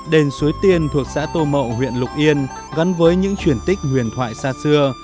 đền suối tiên thuộc xã tô mậu huyện lục yên gắn với những chuyển tích huyền thoại xa xưa